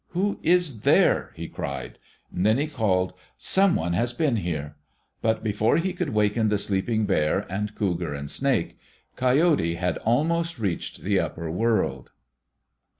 "Who is there?" he cried. Then he called, "Some one has been here." But before he could waken the sleeping Bear and Cougar and Snake, Coyote had almost reached the upper world.